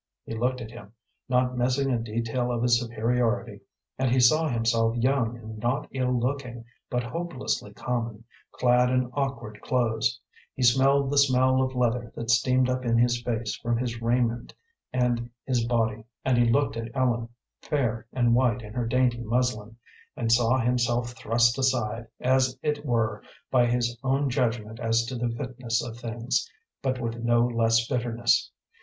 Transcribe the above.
He looked at him, not missing a detail of his superiority, and he saw himself young and not ill looking, but hopelessly common, clad in awkward clothes; he smelled the smell of leather that steamed up in his face from his raiment and his body; and he looked at Ellen, fair and white in her dainty muslin, and saw himself thrust aside, as it were, by his own judgment as to the fitness of things, but with no less bitterness.